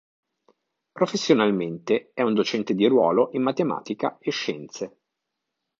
Professionalmente è un docente di ruolo in Matematica e Scienze.